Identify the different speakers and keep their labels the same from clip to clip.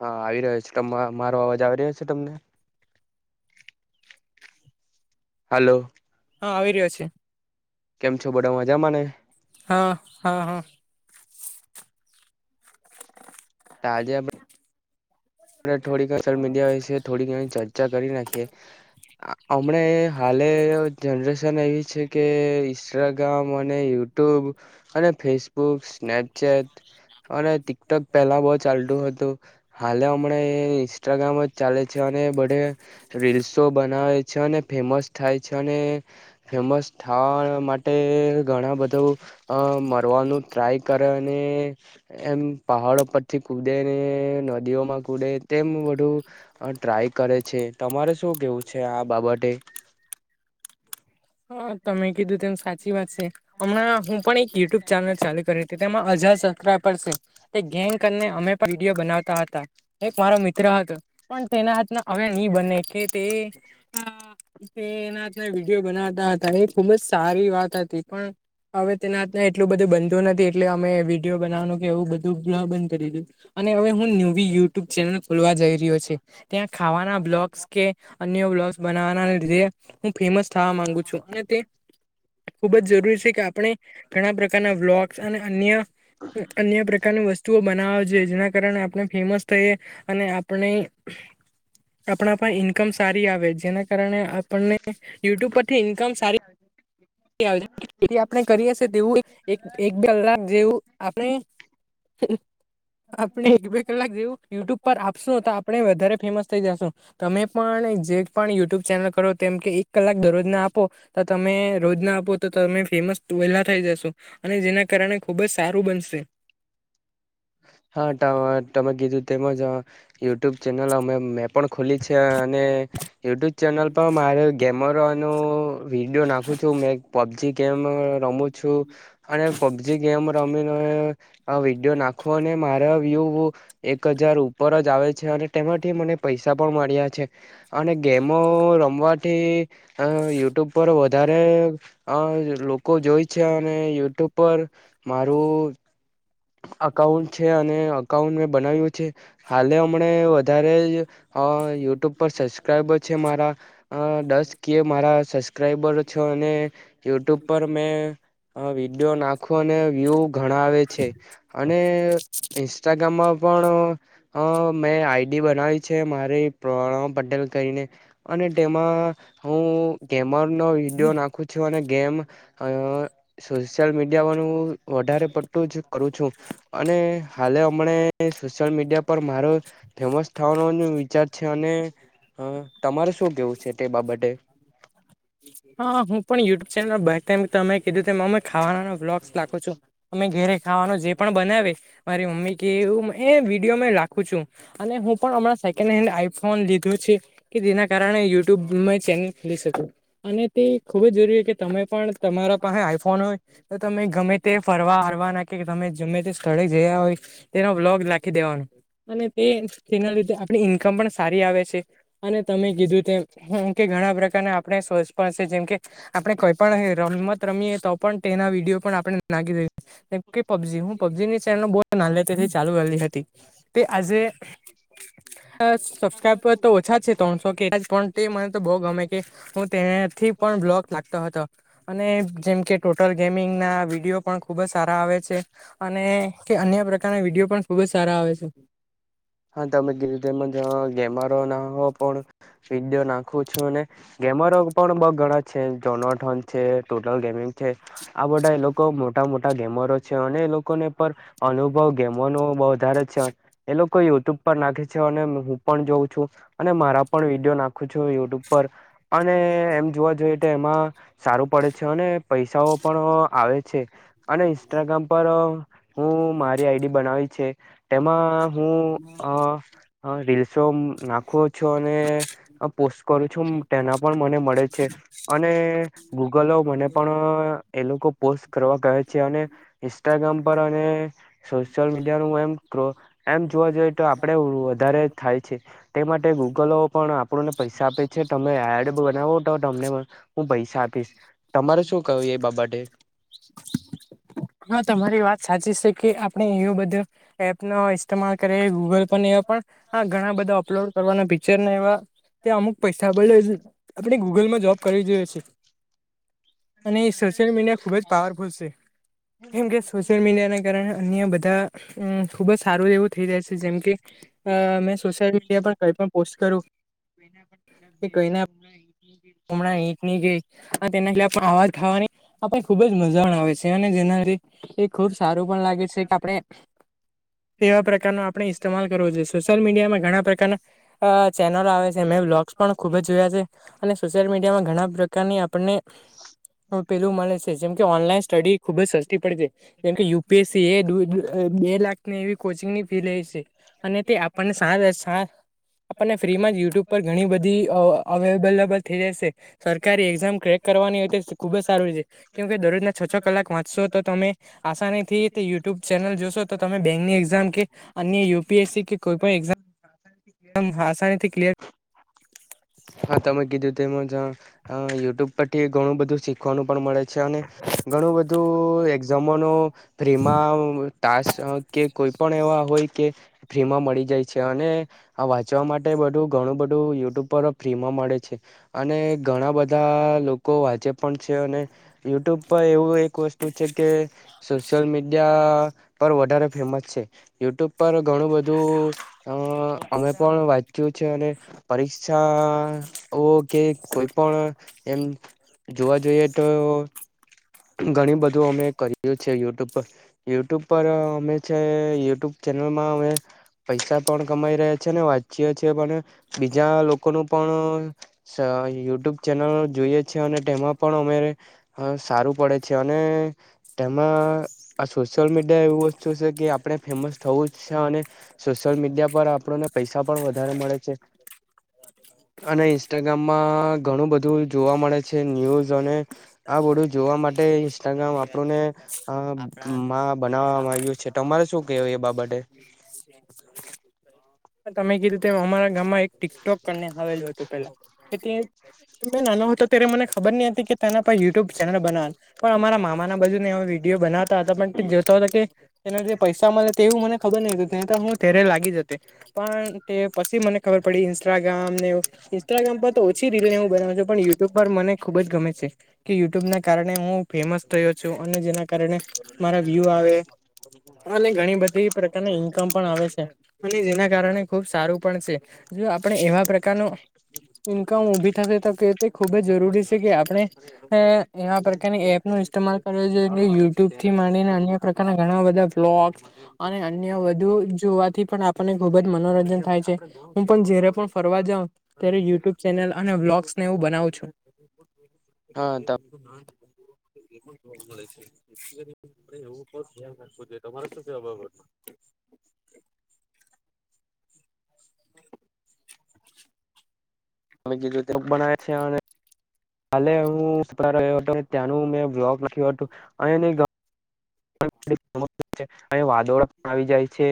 Speaker 1: હા આવી રહ્યો છે મારો અવાજ આવી રહ્યો છે તમને
Speaker 2: [inaudible]
Speaker 1: હાલો
Speaker 2: હા આવી રહ્યો છે
Speaker 1: કેમ છો બધા મજા માને
Speaker 2: હા હા હા
Speaker 1: ત‌ આજે આપડે આપણે થોડી સોયલ મીડિયા વિશે થોડી ઘ ચર્ચા કરી નાખીએ હમણાં હાલે જનરેશન એવી છે કે ઇન્સ્ટાગ્રામ, અને યુટ્યુબ અને ફેસબુક, સ્નેપચેટ અને ટીકટોક પહેલા બહુ ચાલતું હતું હાલે હમણાં ઇન્સ્ટાગ્રામ જ ચાલે છે અને બધે રીલ્સો બનાવે છે અને ફેમસ થાય છે અને ફેમસ થવા માટે માટે ઘણા બધા મરવાનું ટ્રાય કરે અને એમ પહાડો પરથી કૂદદે ને નદીઓ કૂદે તેમ બધું ટ્રાય કરે છે તમારે શું કેવું છે આ બાબતે
Speaker 2: હા તમે કીધું તેમ સાચી વાત છે. હમણાં હું પણ એક યુટ્યુબ ચેનલ ચાલુ કરી હતી તેમાં હજાર સબ્સ્ક્રાઇબ છે. તે ગેંગ કરને અમે પણ વિડીયો બનાવતા હતા. એક મારો મિત્ર હતો પણ તેના હાથના હવે નહી બને કે તે તે એના [unintelligible] વિડીયો બનાવતા હતા એ ખુબ જ સારી વાત હતી પણ હવે તેના હાથ ન એટલું બધું બનતું નથી એટલે અમે વિડીયો બનાવાનું કે એવું બધું ગ્રહ બંધ કરી દીધું અને હવે હું ન્યુવી યુટ્યુબ ચેનલ ખોલવા જઈ રહ્યો છે. ત્યાં ખાવાના બ્લોગસ કે અન્ય બ્લોગસ બનાવવાના લીધે હું ફેમસ થવા માંગુ છું અને તે ખુબ જ જરૂરી છે કે આપણે ઘણા પ્રકારના વ્લોગ અને અન્ય અન્ય પ્રકારની વસ્તુઓ બનાવા જો જેના કારણે આપણે ફેમસ થઈએ અને આપણે આપણા પણ ઈન્કમ સારી આવે જેના કારણે આપણને યુટ્યુબ પર
Speaker 1: સારી આવજ
Speaker 2: જે આપણે કરી હશે તેવું એક એક બે કલાક જેવું આપણે હ આપણે એક બે કલાક જેવું યુટ્યુબ પર આપશું તો આપણે વધારે ફેમસ થઈ જશું તમે પણ જે પણ યુટ્યુબ ચેનલ કરો તેમ કે એક કલાક દરરોજના આપો તો તમે રોજ ના આપો તો તમે ફેમસ વહેલા થઇ જશો અને જેના કારણે ખુબ જ સારું બનશે
Speaker 1: હા તમે કીધું તેમજ યુટ્યુબ ચેનલ અમે મેપ પણ ખુલી છે અને યુટ્યુબ ચેનલ પર મારે ગેમરોનો વિડીયો નાખું છું મેં પબજી ગેમ રમ ઝુ અને પબજી ગેમ રમીને વિડીિયો નાખો અને મારા વ્યુ એક હજાર ઉપર જ આવે છે અને તેમાંથી મને પૈસા પણ મળ્યા છે અને ગેમો રમવાથી અ યુટ્યુબ પર વધારે અ લોકો જોય છે અને યુટ્યુબ ઉપર મારું અકાઉન્ટ છે અને અકાઉન્ટ મેં બનાવ્યું છે હાલે હમણા વધારે યુટ્યુબ પર સબસ્ક્રાઈબર છે મારા અ દસ કય મારા સબસ્ક્રાઈબર છો અને યુટ્યુબ પર મેં હા વિડીિયો નાખો અને વ્યુ ઘણા આવે છે અને ઇન્સ્ટાગ્રામમાં પણ હ મેં આઈડી બનાવી છે મારી પ્રણવ પટેલ કરીને અને તેમાં હું ગેમરનોો વિડીિયો નાખું છું અને ગેમ અ સોશિયલ મીડિયા વાળું વધારે પડતું જ કરું છું અને હાલે હમણા સોશિયલ મીડિયા પર મારો ફેમસ થવાનો ન વિચાર છે અને તમારે શું કેવું છે તે બાબતે
Speaker 2: હા હું પણ યુટ્યુબ ચેનલ તમે કીધું અમે ખાવાના્લોગસખો છો અમે ઘેરે ખાવાનો જે પણ બનાવે મારી મમ્મી કે એવું એ વિડીયો મે લખું છું અને હું પણ હમણાં સેકન્ડ હેન્ડ આઈફોન લીધું છે કે જેના કારણે યુટ્યુબમાં ચેનલ ખોલી શકું અને તે ખુબ જ જરૂરી કે તમે પણ તમારા પાસે આઈફોન હોય તો તમે ગમે તે ફરવા હરવા ના કે તમે ગમે તે સ્થળે જયા હોય તેનો બ્લોગ રાખી દેવાનો અને તે તેના લીધે આપણી ઈન્કમ પણ સારી આવે છે અને તમે કીધું તેમ કે ઘણા પ્રકારના આપણે શોચ પણ છે જેમ કે આપડણે કોઈ પણ રમત રમીએ તો પણ તેના વિડીયો પણ આપણે નાખી દઈએ મ કે પબજી હું પબજી ની ચે બ ના તેથી ચાલુ કરલી હતી તે આજે હ સબસ્ક્રાઈબર તો ઓછા છે ત્રણસો કે પણ તે મને તો બહુ ગમે કે હું તેને થી પણ બ્લોક લાગતા હતા અને જેમ કે ટોટલ ગેમિંગ ના વિડીિયો પણ ખુબ જ સારા આવે છે અને કે અન્ય પ્રકારના વિડીિયો પણ ખુબ જ સારા આવે છે
Speaker 1: હા તમે ગીરધમાં જ ગેમા રહ ના હો પણ વિડીયો નાખું છું અને ગેમરો પણ બ ઘણા છે જોનથોન છે ટોટલ ગેમિંગ છે આ બધા એ લોકો મોટા મોટા ગેમરો છે અને એ લોકોને પણ અનુભવ ગમવાનો બહ વધારે છે એ લોકો યુટ્યુબ પર નાખે છે અને હું પણ જોઉં છું અને મારા પણ વિડીયો નાખું છું યુટ્યુબ પર અને એમ જોવા જોઈએ તો એમાં સારું પડે છે અને પૈસાઓ પણ આવે છે અને ઇન્સ્ટાગ્રામ પર હું મારી આઈડી બનાવી છે તેમાં હું રીલ્સો નાખું છું અને હ પોસ્ટ કરું છું તેના પણ મને મળે છે અને ગૂગલો મને પણ એ લોકો પોસ્ટ કરવા કહે છે અને ઇન્સ્ટાગ્રામ પર અને સોશિયલ મીડિયા ન એમ ક્રો એમ જોવા જઈએ તો આપડે વધારે થાય છે તે માટે ગૂગલો પણ આપણોને પૈસા આપે છે તમે આ બનાવો તો તમને હું પૈસા આપીશ તમારે શું કહું એ બાબતે
Speaker 2: હા તમારી વાત સાચી છે કે આપડે એવું બધું એપ નો ઇસ્તેમાલ કરે ગૂગલ પર એવા પણ ઘણા બધા અપલોડ કરવાના પિક્ચર એવા તે અમુક પૈસા બળ છે આપણે ગૂગલમાં જોબ કરવી જોઈએ છેએ અને એ સોશિયલ મીડિયા ખુબ જ પાવરફુલ છે કેમ કે સોશિયલ મીડિયાને કારણે અન્ય બધા ખૂબ જ સારું એવું થઈ જાય છે જેમ કે મેં સોશિયલ મીડિયા પર કંઈપ પણ પોસ્ટ કરું
Speaker 1: કોના પણલા દ
Speaker 2: કે કઈના
Speaker 1: નહી [unintelligible] [inaudible]
Speaker 2: હમણાં ની તેના લ આવાજ ખાવાની આપને ખુબ જ મજા પણ આવે છે અને જેના લધે એ ખુબ સારું પણ લાગે છે કે આપડણે તેવા પ્રકારનો આપણે ઇસ્તેમાલ કરવો જોઈએ સોશિયલ મીડિયામાં ઘણા પ્રકારના ચેનલો આવે છે વ્લોગસ પણ ખૂબ જ જોયા છે અને સોશિયલ મીડિયામાં ઘણા પ્રકારની આપણને હ પેલું મળે છે જેમ કે ઓનલાઈન સ્ટડી ખુબ જ સસ્તી પડે જેમકે યુપીએસસી એ બે લાખની એવી કોચિંગની ફી લે છે અને તે આપને આપણને ફ્રીમાં જ યુટ્યુબ પર ઘણી બધી અવેલેબલ થઈ જશે સરકારી એક્ઝામ ક્રેક કરવાની હોય તો ખૂબ જ સારું છે કેમ કે દરરોજના છ છ કલાક વાંચશો તો તમે આસાનીથી યુટ્યુબ ચેનલ જોશો તો તમે બેંકની એક્ઝામ કે અન્ય યુપીએસસી કે
Speaker 1: તો એકદમ [unintelligible] [inaudible]
Speaker 2: મ આ આસાનીથી ક્લિયર
Speaker 1: હા તમે કીધું તે યુટ્યુબ પરથી ઘણું બધું શીખવાનું પણ મળે છે અને ઘણું બધું જમનો ફ્રીમાં તાસ કે કોઈ પણ એવા હોય કે ફ્રીમાં મળી જાય છે અને આ વાંચવા માટે બધું ઘણું બધું યુટ્યુબ પર ફ્રીમાં મળે છે અને ઘણા બધા લોકો વાંચે પણ છે અને યુટ્યુબ પર એવું એક વસ્તુ છે કે સોશિયલ મીડિયા પર વધારે ફેમસ છે યુટ્યુબ પર ઘણું બધું અ અમે પણ વાંચ્યું અને પરીક્ષા ઓ કે કોઈ પણ એમ જોવા જોઈએ તો ઘણી બધું અમે કરીએ છે યુટ્યુબ પર યુટ્યુબ પર અમે છે યુટ્યુબ ચેનલમાં અમે પૈસા પણ કમાઈ રહ્યા છે ને વાંચ્ય છે પણ બીજા લોકોનું પણ યુટ્યુબ ચેનલ જોઈએ છે અને તેમાં પણ અમે સારું પડે છે અને તેમાં આ સોશિયલ મીડિયા એવું વસ્તુ છે કે આપણે ફેમસ થવું જ છે અને સોશિયલ મીડિયા પર આપણોને પૈસા પણ વધારે મળે છે અને ઇન્સ્ટાગ્રામમાં ઘણું બધું જોવા મળે છે ન્યુઝ અને આ બધું જોવા માટે ઇન્સ્ટાગ્રામ આપણુંને માં બનાવવામાં આવ્યું છે તમારે શું કેવું એ બાબતે
Speaker 2: એ [unintelligible] [inaudible] તમે કીધુંતે અમારા ગામમાં એક ટિકટોકને આવેલું હતું પેલા કે ત મે નાનો હતો ત્યારે મને ખબર નહ હતી કે તેના પાસે યુટ્યુબ ચેનલ બનાવા પણ અમારા મામા ના બજુ ને અ વિડીયો બનાવતા હતા પણ જોતા કે એના જે પૈસા મળે તે એવું મને ખબર નહિ હતું ત્યા તો હું ત્યારે લાગી જતી પણ તે પછી મને ખબર પડી ઇન્સ્ટાગ્રામ ને ઇન્સ્ટાગ્રામ પર તો ઓછી રીલ હું બનાવું છું પણ યુટ્યુબ પર મને ખુબ ગમે છે કે યુટ્યુબ કારણે હું ફેમસ થયો છું અને જેના કારણે મારા વ્યુ આવે. ઘણી બધી પ્રકારની ઈન્કમ પણ આવે છે. અને જેના કારણે ખુબ સારું પણ છે, જો આપણે એવા પ્રકારનો ઇન્કમ ઉભી હવે તો કીર્તિ ખૂબ જ જરૂરી છે કે આપણે અ આ પ્રકારની એપનો ઇસ્તમાલ કરવો જોઈએ કે યુટ્યુબથી માંડીને અન્ય પ્રકારના ઘણા બધા વ્લોગ અને અન્ય વધુ જોવાથી પણ આપણને ખુબ જ મનોરંજન થાય છે. હું પણ જયારે પણ ફરવા જાઉ ત્યારે યુટ્યુબ ચેનલ અને વ્લોગસને એવું બનાવું છું.
Speaker 1: હા ત
Speaker 2: રોજ. [unintelligible] જોવા મળે છે. જેથી કરીને એવું પર આપણે ધિયાન રાખવું જોઈએ. તમારે શું કેવાનું આ બાબતમાં.
Speaker 1: [unintelligible] કાલે હું ઉપરા રહ્યો હતો ત્યાંનું મેં વ્લોગ લાખિયું હતું. અને
Speaker 2: [inaudible]
Speaker 1: અને વાદોળો પણ આવી જાય છે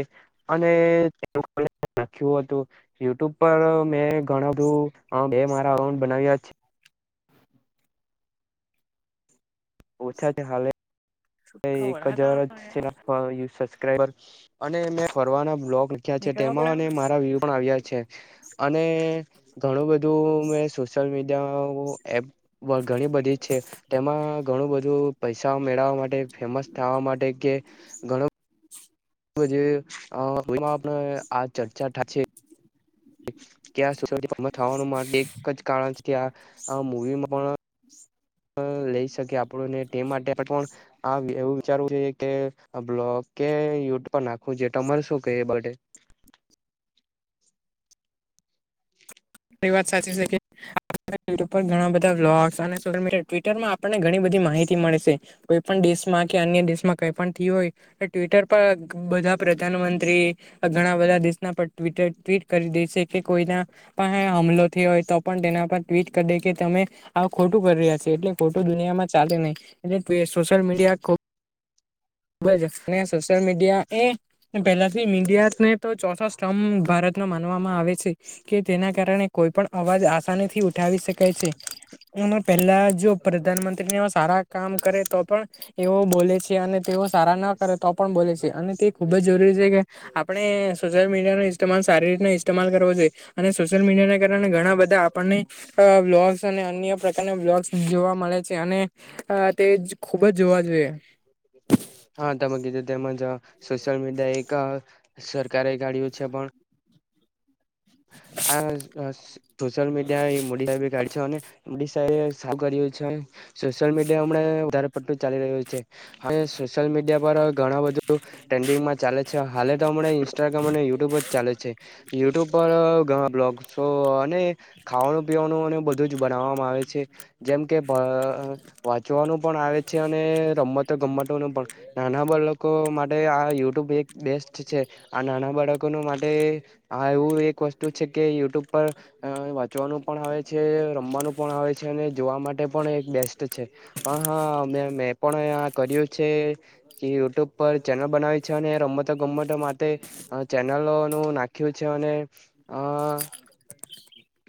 Speaker 1: અને નાખ્યું હતું. યુટ્યુબ પર મેં ઘણુ તો મેં અ મારા બે અકાઉન્ટ બનાવ્યા છે. ઓછા છે હાલે. એક
Speaker 2: ખબર હા
Speaker 1: હજાર જ છે. સબસ્ક્રાઈબર અને મેં ફરવાના વ્લોગ છે
Speaker 2: નીકળવા
Speaker 1: તેમાં અને
Speaker 2: પડે
Speaker 1: મારા વ્યુ પણ આવ્યા છે. અને ઘણું બધું મે સો સોશિયલ મીડિયા એપ. વ ઘણી બઘી મસ્ત થવા માટે કે‌ ઘણુ
Speaker 2: [inaudible]
Speaker 1: હોવો જોઈએ અ કોઈમાં પણ આ ચર્ચા થાશે. ત્યાં [unintelligible] થવાનું માટે એક જ કારણ છે કે આ આ મૂવીમાં પણ
Speaker 2: [inaudible]
Speaker 1: લઈ શકે આપણ ને તે માટે પણ આ એવું વિચારવું જોઈએ કે બ્લોગ કે યુટ્યુબ પર નાખવું જો તમારે શું કે એ બાબતે. [inaudible]
Speaker 2: એ વાત સાચી છે કે આજકલ યટ્યૂબ પર ઘણા બધા વ્લોગસ અને સોશિયલ મીડિયા ટ્વીટરમાં આપણને ઘણી બધી માહિતી મળે છે. કોઈ પણ દેશમાં કે અન્ય દેશમાં કઈ પણ થિયું હોય એ ટ્વિટર પર બધા પ્રધાનમંત્રી આ ઘણા બધા દેશના પર ટ્વીટર ટ્વીટ કરી દે છે કે કોઈના પણ હમલો થયો હોય તો પણ તેના પર ટ્વીટ કરી દે કે તમે આ ખોટું કરી રહ્યા છે. એટલે ખોટું દુનિયામાં ચાલે નહી એટલે ટી સોશિયલ મીડિયા ખુબ [unintelligible] સોશિયલ મીડિયા એ ને પેલાથી મીડિયા ને તો ચોથો સ્તંભ ભારતનો માનવામાં આવે છે. કે જેના કારણે કોઈ પણ અવાજ આસાનીથી ઉઠાવી શકાય છે. હમ્મ પેલા જો પ્રધાનમંત્રીને એવા સારા કામ કરે તો પણ એવો બોલે છે. અને તેઓ સારા ન કરે તો પણ બોલે છે અને તે ખુબ જ જરૂરી છે કે આપ આપણે સોશિયલ મીડિયાનો ઇસ્તમાલ સારી રીતના ઇસ્તેમાલ કરો જોઈએ અને સોશિયલ મીડિયાને કારણે ઘણા બધા તો આપણને અ બ્લોગ્સ અને અન્ય પ્રકારના બ્લોગ્સ જોવા મળે છે અને અ તેજ.
Speaker 1: હા તમે કીધું તેમ જ સોશ્યલ મીડિયા એક સરકારે ગાડીઓ છે પણ આ સ અ સોશિયલ મીડિયા એ મોડી રાત્રે ગાડી. [unintelligible] મોદી સાહેબે સારુ કર્યું છે સોશિયલ મીડિયા હમણાં વધારે પડતું ચાલી રહ્યું છે. હવે સોશિયલ મીડિયા પર ઘણા બધું ટ્રેન્ડિંગમાં ચાલે છે. હાલે તો હમણાં ઇન્સ્ટાગ્રામ અને યુટ્યુબ જ ચાલે છે. યુટ્યુબ પર તો ઘણા બ્લોગસો અને ખાવાનું પીવાનું બધું અને બધું જ બનાવવામાં આવે છે. જેમ કે ભ વાંચવાનું પણ આવે છે અને રમતો ગમમતોનું પણ. નાના બાલકો લોકો માટે આ યુટ્યુબ એક બેસ્ટ છે. આ નાના બાળકોનું માટે આ એવું એક વસ્તુ છે કે યુટ્યુબ પર અ વાંચવાનું પણ આવે છે રમવાનું પણ આવે છે અને જોવા માટે પણ એક બેસ્ટ છે પણ હા મેં પણ કર્યું છે કે યુટ્યુબ પર ચેનલ બનાવી છે અને રમતો ગમતો માટે ચેનલો નું નાખ્યું છે અને અ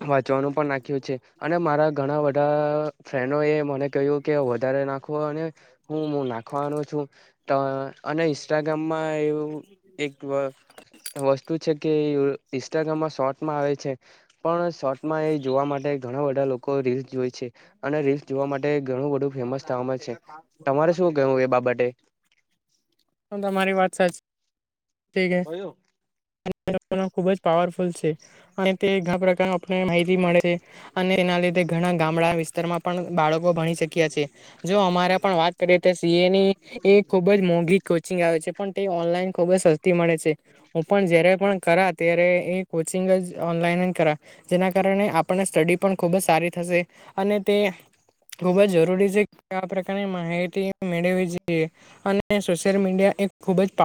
Speaker 1: વાંચવાનું પણ નાખ્યું છે અને મારા ઘણા બધા ફ્રેન્ડોએ મને કહ્યું કે વધારે નાખવો અને હુંું નાખવાનો છું તો અને ઇન્સ્ટાગ્રામમાં એવું એક વસ્તુ છે કે ઇન્સ્ટાગ્રામમાં શોર્ટમાં આવે છે પણ શોર્ટમાં એ જોવા માટે ઘણા બધા લોકો રીલ્સ જોય છે અને રીલ્સ જોવા માટે ઘણું બધું ફેમસ થવામાં છે તમારે શું કવું એ બાબતે
Speaker 2: હું તમારી વાત સાચ ઠીક ખુબ જ પાવરફુલ છે [inaudible] અહી તે ઘણા પ્રકાર આપને માહિતી મળે છે અને એના લીધે ઘણા ગામડા વિસ્તારમાં પણ બાળકો ભણી શક્યા છે જો અમારે પણ વાત કરીએ તો સીએ ની એ ખુબ જ મોઘી ંગ આવે છે પણ તે ઓનલાઈન ખુબ જ સસ્તી મળે છે હું પણ જયારે પણ કરા ત્યારે એ કોચિંગ જ ઓનલાઈન કરા જેના કારણે આપને સ્ટડી પણ ખૂબ જ સારી થશે અને તે ખૂબ જ જરૂરી છે આ પ્રકારની માહિતી મેળવી જોઈએ અને સોશિયલ મીડિયા એ ખુબ જ